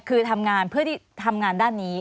คือทำงานเพื่อที่ทำงานด้านนี้